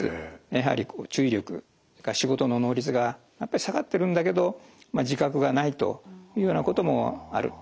やはり注意力それから仕事の能率が下がってるんだけど自覚がないというようなこともある。